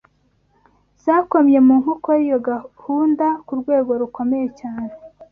zakomye mu nkokora iyo gahunda ku rwego rukomeye cyane